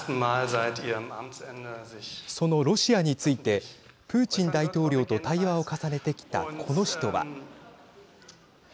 そのロシアについてプーチン大統領と対話を重ねてきたこの人は。